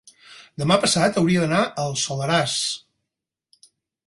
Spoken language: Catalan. demà passat hauria d'anar al Soleràs.